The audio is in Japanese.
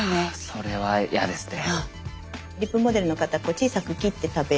それは嫌ですね。